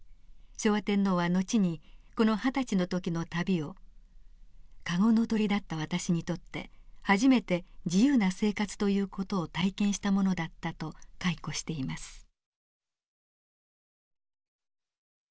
昭和天皇は後にこの二十歳の時の旅を「籠の鳥だった私にとって初めて自由な生活という事を体験したものだった」と回顧しています。